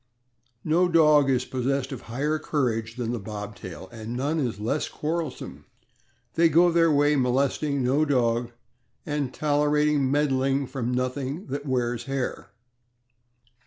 No dog is possessed of higher courage than the Bobtail, and none is less quarrelsome. They go their way, molest ing no dog and tolerating meddling from nothing that wears hair.